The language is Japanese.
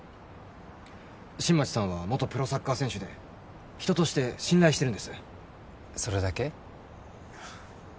新町さんは元プロサッカー選手で人として信頼してるんですそれだけ？